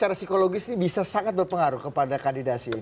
jadi ekologis ini bisa sangat berpengaruh kepada kandidasi ini